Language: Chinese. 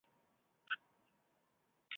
迪尔达拉尔基耶人口变化图示